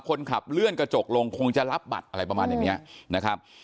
คนขับเลื่อนกระจกลงคงจะรับบัตรอะไรประมาณอย่างเนี้ยนะครับ